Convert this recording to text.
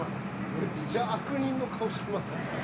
むっちゃ悪人の顔してます。